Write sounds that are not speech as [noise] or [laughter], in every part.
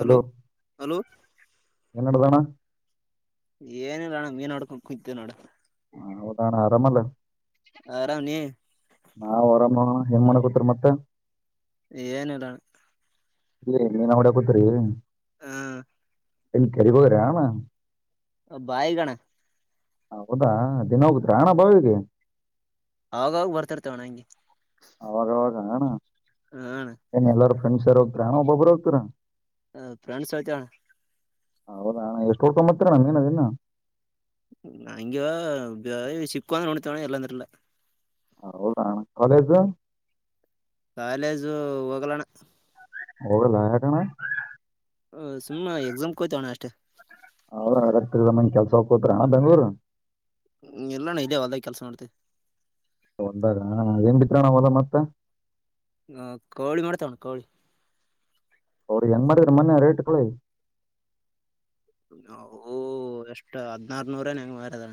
Hello hello ಎನಡದಣ ಏನಿಲ್ಲ ನಣ್ ಏನ್ ನೋಡ್ಕೊಂಡು ಕು್ದೇ ನೋಡ ಹ ಅೌದಣ ಆರಾಮಲ್ಲ ಆರಾಮ್ ನೀ ನಾ ವರಮ್ಮ ಹೆಂಗ್ ಮನೆ ಕೂತರ ಮತ್ತೆ ಏನ ಇಲ್ಲಾನ ಇಲ್ಲ ನೀನ್ ಹೊಡ ಗೂತ್ರಿ ಹ ಎಲ್ಲಿ ಗರಿಬರಣ ಬಾಯಿಗಣ ಹ ಹೌದಾ ದಿನ ಹೋಗುದಾ ಹಣ ಬಾವಿಗೆ ಆ ಬರ್ತಿರ್ತೇವಣ ಹಂಗೆ ಅವಾಗವಾಗಣ ಹ ್ರೆಂಡ್ಸರ್ ಹೋಗತಾ ಒಬ್ಬಬ್ರು ಹೋಗತಾ ಹ ಪ್ರಾಣ ಸವತ ಹೌದಾಣ ಎಷ್ಟು ಊಟ್ತ್ತರ ನಮ ನದನ್ನ ನಾಂಗ ಸಿಕ್ಕು ಅಂದ್ರ ನೋಡ್ತೇವ ಎಲ್ಲಾಂದ್ರಲ್ಲ ಹ ಹೌದ ಕಾಲೇಜ್ ಕಾಲೇಜು ಹೋಗಲಣ ಹೋಗಲ್ಲಯಕಣ ಹ್ುಮಮ್ಮ ಎಕ್ಸಾಮ್ ಕೋ್ತಾವಣ ಅಷ್ಟೇ ಹೋತ್ರ ಬೆಂಗ್ಳೂರು ಹ್ಮ ಎಲ್ಲಾನ ಇದದೆ ಹೊದಾಗ ಕೆಲ್ಸ ಮಾಡ್ತೇವಿ ಒಂದಾಗ ಏನ್ ಬಿತ್ರಣ ಮದ ಮತ್ತೆ ಹ ಕೋಳಿ ಮಾಡ್ತಾವಣ ಕೋಳಿ ಅವ್ರಿಗೆ ಹೆಂಗ ಮಾಡಿದ್ರ ಮೊ ರೇಟ್ ಕೊಳಿ ನವು ಎಷ್ಟ ಹದ್ನಾರನೂರ ನ ಹೆಂಗ ಮಾರದ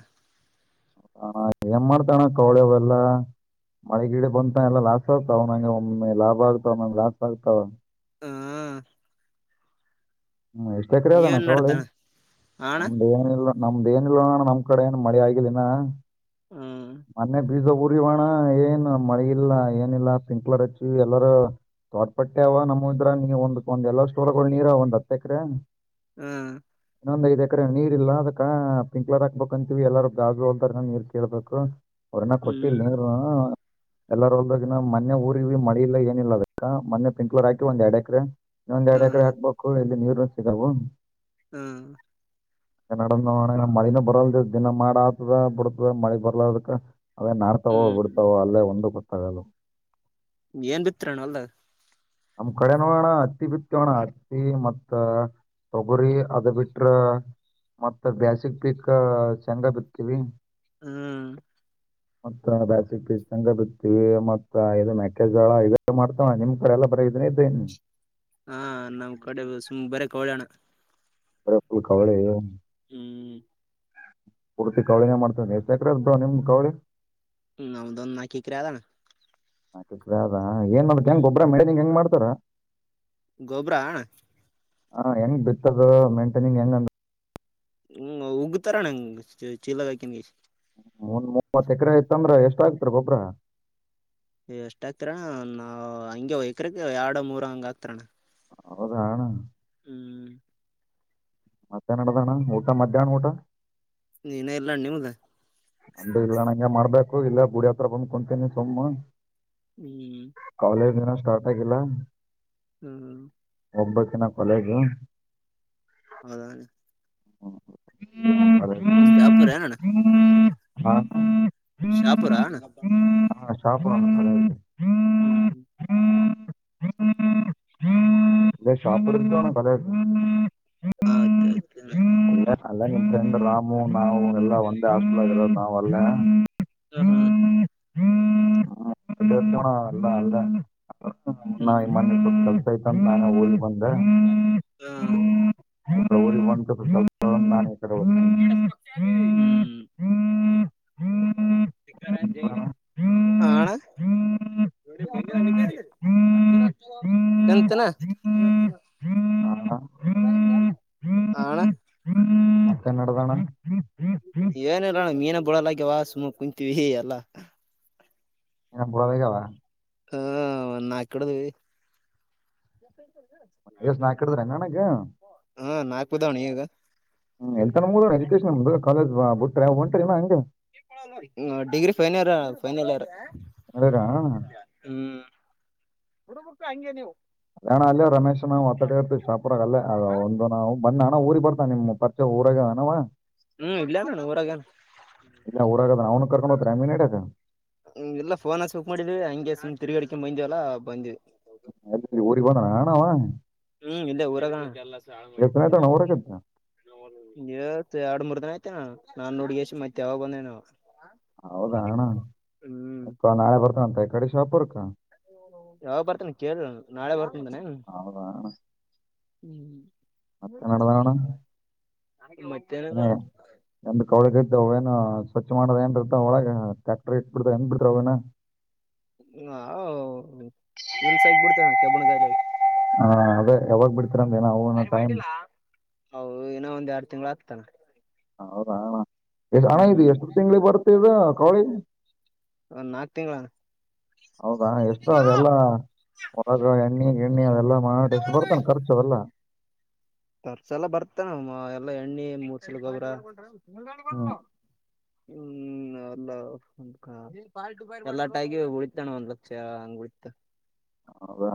ಹ ಏನ್ ಮಾಡ್ತಣ್ಣ ಕವಳವೆಲ್ಲಾ ಮಳೆಗಿಡ ಬಂತ ಎಲ್ಲಾ ಲಾಸ್ ಆಗ್ತಾವ ನಂಗೆ ಒಮ್ಮೆ ಲಾಭ ಆಗ್ತಾವ ನಂ ಲಾಸ್ ಆಗ್ತಾವ ಹಾ ಹ್ಮ್ ಎಷ್ಟ ಎಕರೆ ಅದಣ ಕಳಿ ನಡ್ದಣ ಹಣ ನಮ್ದ ಏನಲ್ಲ ನಮ್ದ ಏನ ಇಲ್ವಣ ನಮ್ ಕಡೆ ಏನ್ ಮಡಿ ಆಗಿಲ್ಲಾ ಹ್ಮ್ ಮನೆ ಬೀಜ ಉಊರಿವಣ ಏನ್ ಮಳೆ ಇಲ್ಲ ಏನಿಲ್ಲ ಪಿಂಕ್ ಕಲರ್ ಹಚ್ಚಿವ ಎಲ್ಲಾರ ತೋಟ್ ಪಟ್ಟೆ ಅವ ನಮ ಇದ್ರ ನೀ ಒಂದ ಒಂದ ಎಲ್ಲಾ ಸ್ಟೋರ್ ನೀರ ಒಂದ್ತವೇ ಏಕ್ರೆ ಹ್ಮ ನಂದ ಇಕ್ರ ನೀರ್ ಇಲ್ಲ ಅದಕ್ಕ ಪಿಂಕ್ಲರ್ ಹಾಕ್ಬೇಕಂತೀವಿ ಎಲ್ಲಾರ ಬ್ರಾಜು ಹೋದಾರ ನನ್ ನೀರ್ ಕೇಳ್ಬೇಕು ಒಣ ಕೊಟ್ಟಿಲ್ಲ ಹ್ಮ್ ಎಲ್ಲಾರ ಒಲ್ದ ಮೊೆ ಊರಿಗೆವಿ ಮಳಿ ಇಲ್ಲ ಏನಿಲ್ಲ ಅದ ಮೊನ್ನೆ ಪಿಂಕ್ಲೂರ್ ಹಾಕಿ ಒಂದ ಎರಡ್ ಎಕರೆ ನಂದ್ ಹ್ಮ್ ಎರಡುಕಡೆ ಹಕ್ಬೇಕು ಲ್ಲಿ ನೀರು ಸಿಗವು ಹ್ಮ ನಡ ಮಳಿನ ಬರಲ್ದ ದಿನ ಮಾಡ ಆತದ ಬಿಡ್ತದ ಮಳಿ ಬರ್ಲದಕ್ಕ ಅದೇ ನಾಡ್ತಾವೋ ಬಿಡ್ತಾವೋ ಹ್ಮ್ ಅಲ್ಲೇ ಒಂದು ಗೊತ್ತತಿಲ್ಲಾ ಪರಲು ಏನ್ ಬಿತ್ರಣ ಅಲ್ಲ ನಮ್ ಕಡೆ ನೋಡೋಣ ಹತ್ತಿ ಬಿತ್ತೆವೆ ಮತ್ತ ತೊಗರಿ ಅದ ಬಿಟ್ರ ಮತ್ತ ಬೇಾಸಿಕ್ ಪೀಕ್ ಶೇಂಗಾ ಬಿರ್ತೀವಿ ಹ್ಮ್ ಮತ್ತ ಬ್ಯಾಸಿಗ್ ಪಿತಂಗ ಬಿತ್ತೀವಿ, ಮತ್ತ ಇದು ಮೆಕ್ಕೆ ಜ್ವಾಳ, ಇದೆಲ್ಲ ಮಾಡ್ತಾವ ನಿಮ್ ಕಡೆ ಎಲ್ಲ ಬರ ಇದನ್ನೇದೇನ್ ಹಾಂ ನಮ್ ಕಡೆ ಬ ಸುಮ್ ಬರೆ ಕವಳಿ ಅಣ್ಣಾ. ಎಲ್ಲಾ ಫುಲ್ ಕವಳಿಯೊಂ ಹ್ಮ್ ಪೂರ್ತಿ ಕವಳಿನೇ ಮಾಡ್ತೇವ ಎಷ್ಟ್ ಎಕ್ರೆ ಇದ್ದವ ನಿಮ್ದ್ ಕವಳಿ? ನಮ್ದೊಂದ್ ನಾಕ್ ಎಕ್ರೆ ಅದಣ್ಣ. ನಾಕ್ ಎಕ್ರೆ ಅದ ಹಾಂ ಏನ್ ಮಾಡ್ಕೇನ್ ಗೊಬ್ರ [unintelligible] ಹೆಂಗ್ ಮಾಡ್ ತ್ತರ ಗೊಬ್ರಾ ಹಾಂ ಹೆಂಗ್ ಬಿತ್ತ ಆ ಮೈಂಟನಿಂಗ ಹೇಗ್ ಅಂದ್ ಹ್ಮ್ ಉಗತಾರಣ್ಣ ಚೀಲಗ ಹಾಕ್ಯಂಡಿ. ಮುಂದ್ ಮೂವತ್ ಎಕ್ರೆ ಐತಂದ್ರೆ ಎಷ್ಟ್ ಹಾಕ್ತಾರ್ ಗೊಬ್ರಾ? ಎಷ್ಟ್ ಹಾಕ್ತಾರಣ್ಣ ನಾವ್ ಹಂಗೆ ಎಕ್ರೆಗೆ ಎರಡು ಮೂರು ಹಂಗ್ ಹಾಕ್ತಾರಣ್ಣ. ಹೌದಣ್ಣ ಹ್ಮ್ ಮತ್ತೆನಡದಣ ಊಟ ಮಧ್ಯಾನ ಊಟ? ಇನ್ನು ಇಲ್ಲಣ್ ನಿಮ್ಗ? ನಮ್ದು ಇಲ್ಲಣ್ಣ ಹಿಂಗೆ ಮಾಡ್ಬೇಕ್. ಹೋಗಿಲ್ಲ ಗುಡಿ ಹತ್ರ ಬಂದ್ ಕುಂತೇನೆ ಸುಮ್ಮ ಹ್ಮ್ ಕಾಲೇಜ್ ಇನ್ನ ಸ್ಟಾರ್ಟ್ ಆಗಿಲ್ಲ ಹ್ಮ್ ಒಂಬತ್ ದಿನ ಕೊನೆಗೆ ಹೌದ? [unintelligible] [unintelligible] ಶಾಪುರಾ ಹ್ಮ್ ಶಾಪ್ ಹ್ಮ್ [unintelligible] [unintelligible] [unintelligible] ಹಾಂ [unintelligible] ಅಲ್ಲ ನಿಮ್ ಫ್ರೆಂಡು ರಾಮು ನಾವು ಎಲ್ಲ ಒಂದೇ ಹಾಸ್ಟ್ಲಾಗ್ ಇರದ್ ನಾವು [unintelligible] ಓ ಹಾಂ [unintelligible] ಅಲ್ದ ಹ್ಮ್ ಅಲ್ದ [unintelligible] [unintelligible] ಹ ಹ್ಮ ಊರಿಗೆ ಮನ್ [inaudible] ಎ ಹ್ಮ್ [unintelligible] ಹಣ ಕನ್ನಡದಣ ಏನಲ್ಲಣ ಮೀನ ಬಡಲ್ಲ ಆಗ್ಯವಾ ಸುಮ್ಮ ಕುಂತೀವಿ ಎಲ್ಲಾ ಏನ ಗವಾ ಹಾ ನಾಕಡದವಿ [unintelligible] ಹ ನಾಕ್ ಬಿದ್ದಾವಣ ಈಗ ಕಾಲೇಜ್ ವ ಬಿಟ್ರೆ ಹೊಂಟ್ರರಿ ನ ಹಂಗೆ ಡಿಗ್ರಿ ಫೈನ ಇರ್ ಫೈನಲ್ ಇಯರ್ ಚೆನ್ನಾಗಿದೀರಾ ಹುಡುಬುಕ್ಕ ಹಂಗೆ ನೀವು ಅಣ್ಣ ಅಲ್ಲೇ ರಮೇಶ್ ನಾವು ಮಾತಾಡ ಇರ್ತೀವಿ ಶಾಪುರಾಗ ಅಲ್ಲ ಒಂದು ನಾವು ಬನ್ನ ನ ಊರಿ ಬರ್ತಾ ನಿಮ್ ಪರಿಚೆ ಊರಾಗ ಅನವ ಹಾ ಇಲ್ಲೇಹದಾನ ಊರಾಗಾನ ಕರ್ಕೊಂಡುಹೋತೀರಾ ಮೀನು ಇಡಿಯಾಕ ಹ ಎಲ್ಲ ಫೋನ ಸುಕ್ ಮಾಡಿದ್ವಿ ಹಂಗೆ ತಿರಗಾಡಿ ಬಂದಿವವಲ್ಲಾ ಬಂದ್ವಿ ಆಯ್ತು ಊರಿಗೆ ಹೋದಣ ಹಾ ಹೋಗಣ ಹ್ಮ್ ಇಲ್ಲೇ ಊರಗಾನ ಎಷ್ಟು ಎರಡು ದಿನ ಆಯ್ತಣ್ಣ ಊರಾಗತ್ತ ಮೂರು ದಿನ ಆಯ್ತ ನಾನ್ ನೋಡು ಎಷ್ಟು ಮತ್ತೆ ಯಾವಾಗ ಬಂದೇನಾ ಆವ ಹೌದಾ ಅಣ್ಣ ಹ್ಮ್ ಅ ನಾಳೆ ಬರ್ತನಂತ ಕಡೆ ಚಪರ್ಕಾ ಯಾವಾಗ ಬರ್ತಾನಿ ಕೇಳ ನಾಳೆ ಬರ್ತಿನಂದನಿನ್ ಹೌದಾ ಅಣ್ಣ ಹ್ಮ್ [unintelligible] ಮತ್ತೇನಿಲ್ಲ ನಮ್ದು ಇ ಅವೇನು ಸ್ವಚ್ಛ ಮಾಡೋ ಏನ್ ಇರ್ತ ಒಳ ಟ್ಯಾಕ್ಟರ್ ಇಟ್ಟ ಬಿಡನ್ ಬಿಡ್ರ ಅವೇನ ಹ ಹ ಇನ್ಸ ಆಕ್ಬಿಡ್ತೇಣ ಕೆಬ್ಬಣಗಾಯಿದ ಆ ಹಾ ಅದ ಯಾವಾಗ್ ಬಿಡ್ತಾರ ಒಂದು ಒಂದು ಟೈಮ್ ತನ ಹ ಹೌದ ಅಣ್ಣ ಅ ಅಣ್ಣ ಇದು ಎಷ್ಟು ತಿಂಗಳಿಗೆ ಬರುತ್ತೆ ಇದು ಕೋಳಿ ಒಂದ್ ನಾಕ್ ತಿಂಗಳ ಹೌದಾ ಎಷ್ಟ ಅದೆಲ್ಲ ಒಳಗ ಎಣ್ಣಿ ಎಣ್ಣೆ ಅದೆಲ್ಲಾ ಮಾಡಿ ಎಷ್ಟು ಬರ್ತೇನ ಖರ್ಚು ಅದವೆಲ್ಲ ಖರ್ಚುಯೆಲ್ಲಾ ಬರುತ್ತೆ ಎಲ್ಲ ಎಣ್ಣೆ ಮುಚ್ಚಲು ಗೊಬ್ಬರ ಹ್ಮ್ [inaudible] ಹ್ಮ್ ಎಲ್ಲ ಆಗಿ ಉಳಿತಣ್ಣ ಒಂದ್ ಲಕ್ಷ ಹಂಗ ಉಳಿತ ಹೌದಾ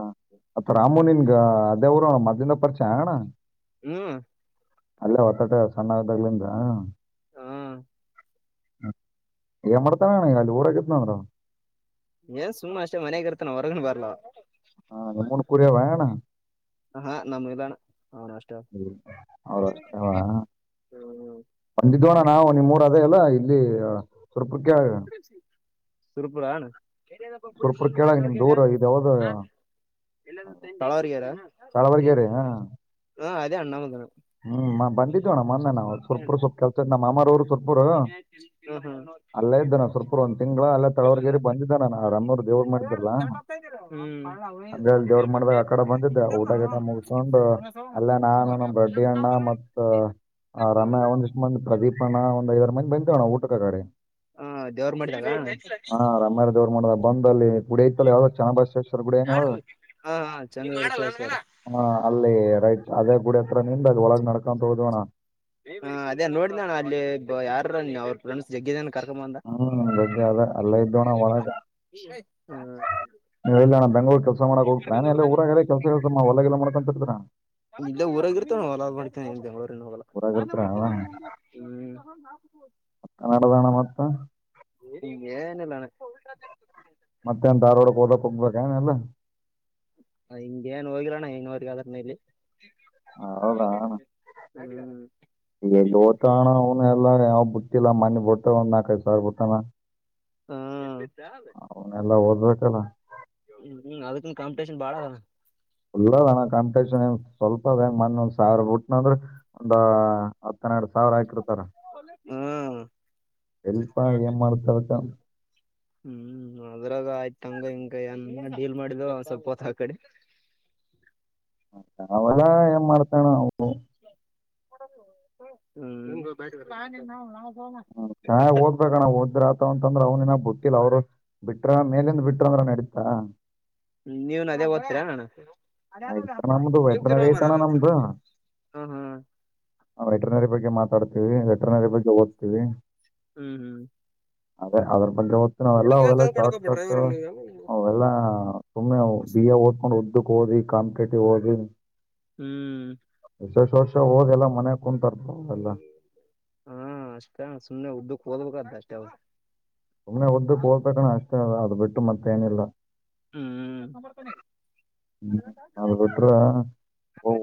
ಅತ್ ಹ್ಮ್ ರಾಮುನಿನ್ಗ ಅದೇ ಊರು ಮೊದಲಿಂದ ಪರಿಚಯನಣ್ಣ ಹ್ಮ್ ಅಲ್ಲೇ ಹೊತಟ ಸಣ್ಣ ಆದ್ದಾಗ್ಲಿಂದ ಹಾ ಏನ್ ಮಾಡ್ತಣ್ಣ ಈಗ ಊರಲಂದು ಏನ್ ಸುಮ್ಮ ಅಷ್ಟೇ ಮನಯಾಗ ಇರ್ತಾನ ಹೊರಗನ್ ಬರ್ಲ ಹಾ ನಿಮ್ಮೂನ್ ಕುರಿಯವ ಅಣ್ಣ ಹಾ ನಮ್ ಇಲ್ಲಣ ಅವನ ಅಷ್ಟ ಅವಷ್ಟ ಬಂದಿದ್ದವನಾ ನಾವು ನಿಮ್ಮೂರು ಅದೇ ಅಲ್ಲ ಅಲ್ಲಿ ಸುರಪುರಕೆಣ್ಣ ಸುರಪುರ ಅಣ್ಣ ಕೇಳಾಗ ನಿಮ್ದು ಊರು ಇದು ಯಾವ್ದು ತಳವಾಗೆರೆ ತಾಳವರ್ಗೇರಿ ಹಾ ಹಾ ಅಣಾಮದಾನನೆ ಹ್ಮ್ ಬಂದಿದ್ದವಣ ನವು ಸ್ವಲ್ಪ ಸ್ವಲ್ಪ ಕೆಲ್ಸ ನಮ್ಮ ಮಾಮ್ಮ ಹ್ ಪುರ್ ಹ್ಮ್ ಅಲ್ಲೇ ಇದ್ದಾನ ಸುರ್ಪೂರ್ ಒಂದ್ ತಿಂಗಳ ಅಲ್ಲೇ ತಳವರ್ಗೇರಿ ಬಂದಿದ್ದೆ ನಾನ ಅರಾಮರು ದೇವ್ರ ಮಾಡಿದ್ದಾರಲ್ಲ ಹ್ಮ್ ಹ್ಮ್ ಹಂಗ ದೇವ್ರ ಮಾಡಿದಾಗ ಆ ಕಡೆ ಬಂದಿದ್ದೆ ಊಟ ಗಿಟ ಮುಗಕೊಂಡು ಅಲ್ಲೇ ನಾನ ನಡ್ ಮ ರನ್ನ ಒಂದಿಷ್ಟ ಮಂದ ಪ್ರದೀಪಣ್ಣ ಒಂದ ಸರ್ ಮ ಬಂದಂತೋ ಊಟ ಗಡೆ ಹಾ ದೇವರು ಮಾಡಿದಾಗ ಬಂದಲ್ಲಿ ಗುಡಿ ಐತಲ್ಲ ಯಾವ್ದ ಚೆನ್ನ ಬಸೇಶ್ವರ್ ಗುಡಏನ್ದ ಹ ಹಾ ಹಾ ಚಂದ ಅ ರಟ್ ಕೂಡ ನಿನ್್ದಾಗ ಒಳ ನಡ್ಕೊಂತ ಹೋದವಣ ಹ ಅದೇ ನೋಡ ನಣ ಅಲ್ಲಿ ಯಾರ ಅವ್ರ ಫ್ರೆಂಡ್ಸ್ ಜಗ್ಗಿದನ ಕರ್ಕೊಂಡ ಬಂದ ಹ್ಮ್ ಬಗ್ಗೆ ಅದ ಅಲ್ಲ ಇದ್ದೋಣ್ಣ ಒಳಗ ಹ ನೀ ಎಲ್ಲಣ ಬೆಂಗಳೂರ್ರು ಕೆಲ್ಸ ಮಾಡಕ್ ಹೋಗ್ತ ನಾನ ಎಲ್ಲ ಊರಾಗ ಕೆಲ್ಸ ಕೆಲ್ಸ ಒಳಗಗೆಲ್ಲ ಮಾಡ್ಕಂತ ಹ ಇಲ್ಲೇ ಊರಾಗ ಇರ್ತವ ಹೊಲ ಮಾಡ್ತೇನೆ ಇ ಬೆಂಗಳೂರಿನ ಹೊಲ ಊರಗರ್ತ ಅವಣ ಹ್ಮ್ ಮನಾಡದಣ್ಣ ಮತ್ತ ನಿಂಗಗೆ ಏನಿಲ್ಲಣ ಮತ್ತೆ ಅಂತ ಆಾರ್ೋಡಕ್ ಹಓದಕ್ ಹೋಗ್ಬೇಕ ಏನ ಎಲ್ಲ ಹಿಂಗೇಏನ್ ಹೋಗಿಲ್ಲಣ್ಣ ಹೆಂಗವರ್ಗ ಅದಾರ್ನ ಇಲ್ಲಿ ಹದಾನ ಹ್ಮ್ ಎಲ್ಲೋಟ ಆಾಣನ ಎಲ್ಲೇ ಕುಟ್ಟಿಿಲ್ಲಲ್ಲ ಮ್ಣಿ ಬಟ್ಟ ನಾಕದು ಸಾರ ಬಿುಟ್ಟಣ ಹ್ಮ ಓದ್ಬೇಕಲ್ಲ ಅದಕ್ಕ ಕಾಪ ಬಾಳ ಅಣ ಳ್ಳದಣ್ಣ ಕಾಂಪಿಟೇಷನ್ ಸ್ವಲ್ಪ ಅದಂಗ ಮಂದ ಒಂದ ಸಾವಿರ ಟ್ಟನಂದ್ರೆ ಒ ಹತ್ತನ್ನೆರಡು ಸಾವಿರ ಹಾಕಿರ್ತಾರ ಹ್ಮ್ ಎಲ್ಪ ಏನ್ ಮಾಡ್ತಾರಕ್ಕ ಹ್ಮ್ ಅದ್ರಾಗ ಆಯ್ತ ಹಂಗ ಹಂಗ ನ್ ಡೀಲ್ ಮಾಡಿದ ಸ್ವಲ್ಪತ ಆ ಕಡೆ ಹ ನಾವೆಲ್ಲ ಏನ್ ಮಾಡ್ತಣ ಅವು ನ ಹ ಚೆನ್ನ್ ಓದ್ಬೇಕಣ್ಣ ಓದ್ರ ಆತವ ಅಂದ್ರೆ ಅವ್ಿನ ಬೊತ್ತ ಿಲ್ಲ ಅವ್ರು ಬಿಟ್ರ ಮೇಲಿಂದ ಬಿಟ್ರ ಅಂದ್ರ ನಡೀತಾ ್ಮ ನೀವ್ ನ ಅದೇ ಓದ್ತೀರಾಣಣ ಆಯ್ತ ನಮ್ದು ವೆಟ್ರನರಿ ಆಐ್ತಣ ನಮ್ದು ಹ ಹಾ ವೆಟನರಿ ಬಗ್ ಮಾತಾಡ್ತಿೀವಿ ವಟ್ರನರಿ ಬಗ್ಗೆ ಹೋಗ್ತೀವಿ ಹ್ಮ್ ಹ್ಮ್ ಅದೇ ಅವ ಬಂದ್ರೆ ಮತ್ತ ನಾವೆಲ್ಲ ಅವೆಲ್ಲ ಶಾರ್ಟ್ ಕಟ್ ಅವೆಲ್ಲಾ ಸುಮ್ಮನೆ ಬಿಯ ಓದಕೊಂಡ್ ಉದ್ದಕ್ ಓದಿ ಕತಿ ಹೋಗ ನೀ ಹ್ಮ್ ವಿಶೇಷ ವರ್ಷ ಅವ ಲ್ಲ ಮ ಹಾ ಅಷ್ಟೇ ಸುಮ್ಮ್ನೆ ಉದ್ದಕ್ ಹಓದ್ಬೇಕ ಅಷ್ಟ ಸುಮ್ನೆ ಒದ್ದು ಹೋಗಬೇಕಣ ಅಷ್ಟೇ ಬಿಟ್ಟು ಮತ್ತೆೇಏನಿಲ್ಲ ಹ್ಮ್ ಹ್ಮ ಅ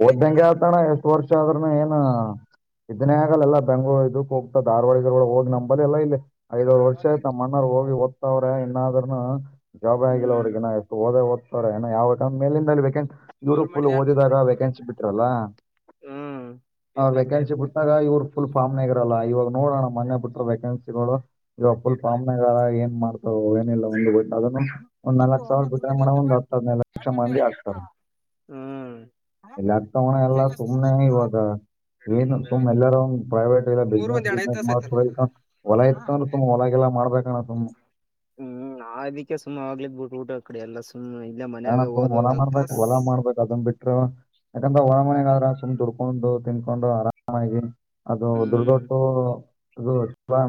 ಓದ್ದಂಂಗಗೆ ಆತಣ ಎಷ್ಟ ವರ್ಷ ಆದ್ರನು ಏನ ಇದನೇ ಆಗಲ್ಲ ಎಲ್ಲ ಬೆಂಗ್ಗಳೂರು ಇದದು ಕೋಗಗ್ತಾ ಧಾರವಾಡಿದರುೂಡ ಹೋಗಿ ನಂಬದ ಎಲ್ಲ ಇಲ್ಲಿ ಐದ್ ವರ್ಷ ಆಯ್ತ ಮ್ಣ ಹೋಗಿ ಒ ಅವ್ರ ಇನ್ನಾದ್ರನು ಜಾಬ್ ಆಗಿಲ್ಲ ಹ್ಮ್ ಅವಗಿನ ಎಷ್ಟು ಹೋದೇ ಹದ ರ ಯಾವ ನಮ್ಮ ಮೇಲಿಂದ ಅಲ್ಲಿಬೇಕೆನ್ ಇವರು ಫುಲ್ ಓದಿದಾಗ ವೆೇಕೆನ್ಸಿ ಬಿಟ್ರಲ್ಲ ಹ್ಮ್ ಆ ವೆೇಕೆನ್ಸಿ ಬಿಟ್ಟಾಗ ಇವ್ರ ಫುಲ್ ಪಂಮ್ ನಾಗರಲ್ಲ ಇವಾಗ ನೋಡೋಣ್ಣ ಮನ್ನೆ ಬಿಟ್ಟ ವ್ಯಾೇಕೆನ್ಸಿಗಳು ಇವಾಗ ಫುಲ್ ಫಾರ್ಮ್ನಗಾದರ ಏನ್ ಮಾಡ್ ಹದಲ್ಲ [unintelligible] ಅದನ್ನು ಒಂದ ನಲ್ಕಕ್ ಸಾವಿರ ವಿತ್ ಡ್ರಾ ಮಾಡಮ್ ಒಂದ್ ಹತ್ತುದ ಹಧ್ನೈದು ಲಕ್ಷ ಲಕ್ಷ ಮಂದಿ ಆಗ್ತಾರ ಹ್ಮ್ ಇಲ್ಲ ಆಗ್ತಾವಣ ಎಲ್ಲಾ ಸುಮ್ನೆ ಇವಾಗ ಏನು ಸುಮ್ಮ್ ಎಲ್ಲಾರ ಒ ಪ್ರೈವೇಟ್ ಎಲ್ಲ ಬಿಸ್ನೆಸ್ ವಿಸ್ನೆಸ್ ಮಾಡ ಹೊಲ ಇತ್ಂದ್ರೆ ಸುಮ್ಮ್ ಒಳಗಿಲ್ಲ ಮಾಡ್ಬೇಕು ಹ್ಮ್ ಆದಕ್ಕೆ ಸುಮ್ಮ ಆಗ್ಲದ ಬಿಟ್ಟು ಊಟಕ್ಕೆ ಅ ಎಲ್ಲ ಸೂ ಆ ಅಣ್ಣ ಹೊಲಾ ಮಾಡ್ಬೇಕಕ್ ಹೊಲಾ ಮಾಡ್ಬೇಕು ಅದನ್ ಬಿಟ್ಟ್ರ ಯಾಕಂದ್ರ ಹೊಲ ಮನೆಾಗ ಸುಮ್ ದುಡ್ಕೊಂಡು ತಿನ್ಕೊಂಡು ಆರಾಮಾಗಿ ಅದು ಹ್ಮ್ ದುಡ್ಡತೂ ಅದು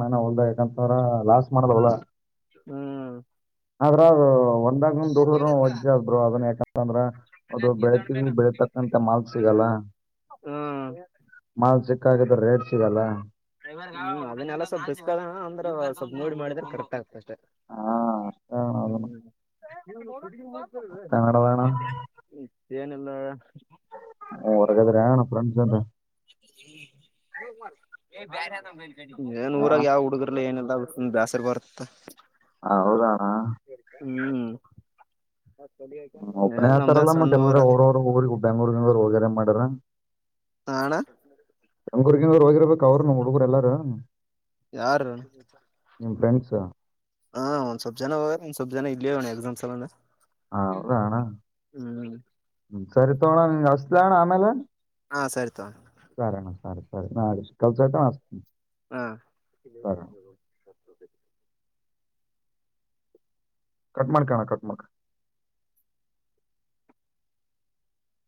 ನಾನ ಹೊಲ್ದ ಯಾಕಂತ್ರ ಲಾಸ್ಟ್ ಮಾಡದವಳ ಹ್ಮ ಆದ್ರ ಅವರು ಬಂದ ದಡ್ ವಜ್ಜೆ ಆದ್ರು ಅದನ್ನ ಯಾಕಂತಂದ್ರ ಅದು ಬೆಳತವಿ ಬೆಳತಕ್ಕಂತ ಮಾಲ್ ಸಿಗಲ್ಲ ಹ್ಮ್ ಮಾಲ್ ಸಿ ಕಾಗಿದ್ರ ರೇಟ್ ಸಿಗಲ್ಲ ಹ್ಮ ಅದನ್ನಲ್ಲ ಸ್ವಲ್ಪ ಬಿಸಕ ಅಂದ್ರೆ ಸ್ವಲ್ಪ ನೋಡಿ ಮಾಡಿದ್ರೆ ಕರೆಕ್ಟ್ ಆಗ್ತದೆ ಹಾ ಅಷ್ಟ ಅದನ್ನ ಹ್ಮ್ [unintelligible] ಗ ಮಾಡ್ತ ಕನ್ನಡದ ಅಣ್ಣ [unintelligible] ಏನಲ್ಲ ಆಯ ಹೆಂಗ್ ಮಾಡಿದ ಹೊರಗದ್ರೆ ಹೊರ ಅಣ್ಣ ಫ್ರೆಂಡ್ಸ್ ಅಂತ ಹ ಮಾಡ [unintelligible] ಹೇ ಬೇರೆ ಆದಿನ್ ಬರಿ ಅಣ್ಣ ನ್ೂರಾಗ ಯಾವ ಹುಡುಗಿರ್ಾ ಏನಿಲ್ಲಲ್ಲ ಬೈಸರ ಬರುತ್ತಾ ಹ ಹೌದ ಅಣ್ಣ ಹ ಒಬನೇ ಏನ್ ನಮ್ದೇನ್ ಆತಾರಲ್ಲ ಮತ್ತತ್ ಸಣ್ಣ ಊರ ಎಲ್ಲರ ್ರವರು ಊರು ಬೆಂಗ್ೂರ್ಗಂಗರುೋಗಗ್ಯಾರ ಮಾಡಾರ ಹ ಅಣ್ಣ ತಂಗ್ೂರ್ಗಂದವ್ರು ಹೋಗಿರ್ಬೇಕ ಅವ್ರರು ನಮ್ ಹುಗ್ಗರು ಎಲ್ಲಾರು ಯಾರು ಫ್ರೆಂಡ್ಸ್ಾ ಹಾ ಒಂದ್ ಸ್ವಪ್ಪ ಜನ ಹೋಗಾರ ಒಂದ ಸ್ವಪ್ಪ ಜನ ಇಲ್ಲಿೇಣ ಎಕ್ಸಾಮ್ಸ್ಂದ ಹಾ ಹ ಹೌದಾ ಅಣ್ಣ ಹ್ಮ್ ಹ್ಮ್, ಸರಿ ತೋಣ ನೀ ಅಸಲಣ್ಣ ಆಮೇಲೆ ಹಾ ಸರಿತ ಸ ನಾ ಶ ಕಲ್ ಸಕ ಆತ ಹ ಕಟ್್ಮಡ ಕಣ ಕಟ್್ಮಡ